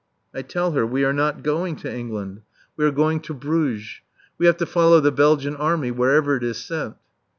I tell her we are not going to England. We are going to Bruges. We have to follow the Belgian Army wherever it is sent.